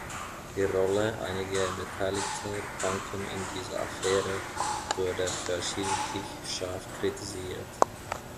Die Rolle einiger beteiligter Banken in dieser Affäre wurde verschiedentlich scharf kritisiert.